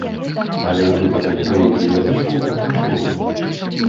Але выпадак, пра які я пішу, адмысловы.